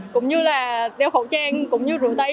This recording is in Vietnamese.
cũng như là đeo khẩu trang cũng như rửa tay